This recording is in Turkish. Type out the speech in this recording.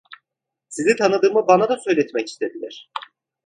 Sizi tanıdığımı bana da söyletmek istediler.